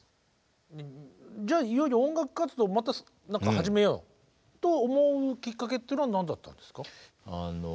じゃあいよいよ音楽活動また始めようと思うきっかけって何だったんですか？